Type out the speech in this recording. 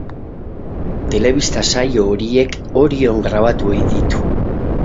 Telebista saio horiek Orion grabatu ohi ditu.